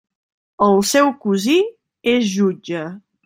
El seu cosí és jutge.